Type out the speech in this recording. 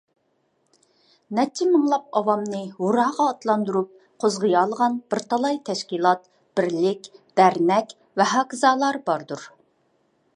نەچچە مىڭلاپ ئاۋامنى ھۇرراغا ئاتلاندۇرۇپ قوزغىيالىغان بىر تالاي تەشكىلات، بىرلىك، دەرنەك ۋەھاكازالار باردۇر.